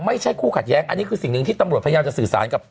ไม่ใช่คู่ขัดแย้งอันนี้คือสิ่งหนึ่งที่ตำรวจพยายามจะสื่อสารกับ